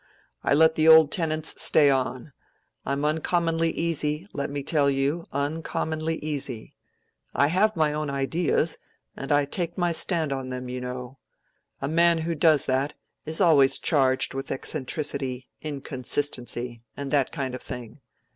I let the old tenants stay on. I'm uncommonly easy, let me tell you, uncommonly easy. I have my own ideas, and I take my stand on them, you know. A man who does that is always charged with eccentricity, inconsistency, and that kind of thing.